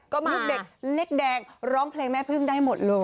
ก็มีลูกเด็กเล็กแดงร้องเพลงแม่พึ่งได้หมดเลย